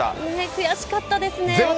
悔しかったですね、私。